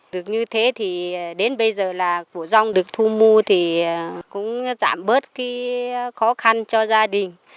được như thế thì đến bây giờ là vụ rong được thu mua thì cũng giảm bớt cái khó khăn cho gia đình